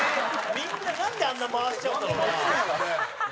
みんななんであんな回しちゃうんだろうな。